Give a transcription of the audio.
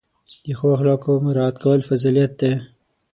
د ښو اخلاقو مراعت کول فضیلت دی.